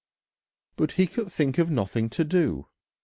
But he could think of nothing to do.